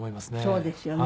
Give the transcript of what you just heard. そうですよね。